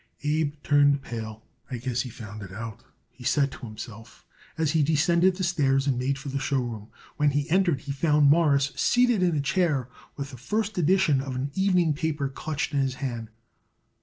Abe turned pale. "I guess he found it out," he said to himself as he descended the stairs and made for the show room. When he entered he found Morris seated in a chair with the first edition of an evening paper clutched in his hand.